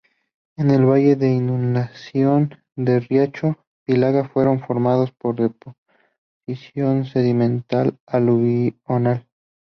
En el valle de inundación del riacho Pilagá fueron formados por deposición sedimentaria aluvional.